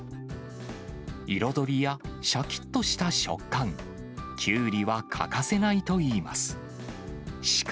彩りやしゃきっとした食感、きゅうりは欠かせないといいます。